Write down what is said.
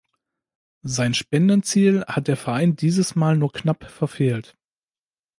Sein Spendenziel hat der Verein dieses Mal nur knapp verfehlt.